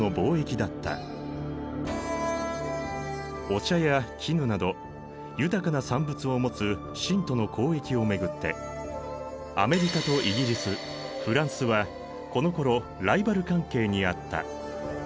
お茶や絹など豊かな産物を持つ清との交易を巡ってアメリカとイギリスフランスはこのころライバル関係にあった。